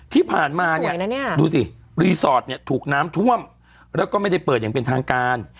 ที่ผ่านมาเนี่ยดูสิรีสอร์ทเนี่ยถูกน้ำท่วมแล้วก็ไม่ได้เปิดอย่างเป็นทางการ